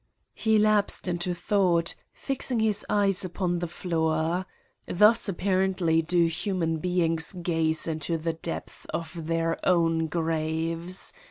He lapsed into thought, fixing his eyes upon the floor : thus apparently do human beings gaze into the depths of their own graves.